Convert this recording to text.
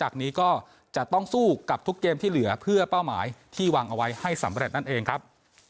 จากนี้ก็จะต้องสู้กับทุกเกมที่เหลือเพื่อเป้าหมายที่วางเอาไว้ให้สำเร็จนั่นเองครับ